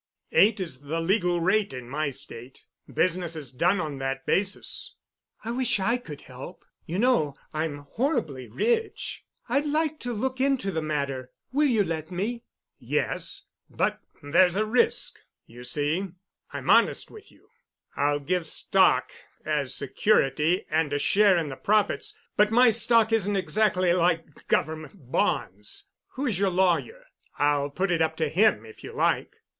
Eight is the legal rate in my state. Business is done on that basis." "I wish I could help. You know I'm horribly rich. I'd like to look into the matter. Will you let me?" "Yes, but there's a risk—you see, I'm honest with you. I'll give stock as security and a share in the profits—but my stock isn't exactly like government bonds. Who is your lawyer? I'll put it up to him if you like."